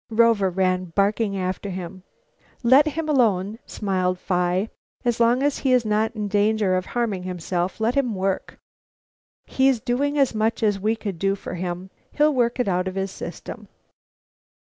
Rover ran barking after him. "Let him alone," smiled Phi. "As long as he is not in danger of harming himself, let him work. He's doing as much as we could do for him. He'll work it out of his system."